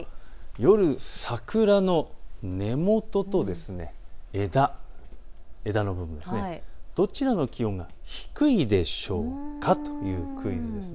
夜、桜の根元と枝、枝の部分、どちらの気温が低いでしょうかというクイズです。